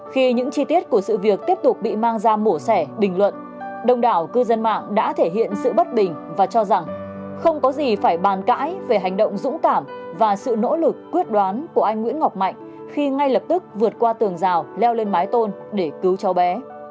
khi những chi tiết của sự việc tiếp tục bị mang ra mổ xẻ bình luận đông đảo cư dân mạng đã thể hiện sự bất bình và cho rằng không có gì phải bàn cãi về hành động dũng cảm và sự nỗ lực quyết đoán của anh nguyễn ngọc mạnh khi ngay lập tức vượt qua tường rào leo lên mái tôn để cứu cháu bé